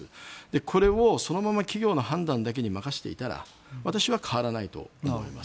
これをそのまま企業の判断だけに任せていたら私は変わらないと思います。